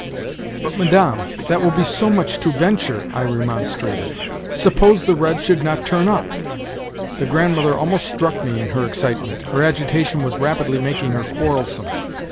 "But, Madame, that will be so much to venture!" I remonstrated. "Suppose the red should not turn up?" The Grandmother almost struck me in her excitement. Her agitation was rapidly making her quarrelsome.